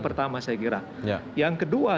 pertama saya kira yang kedua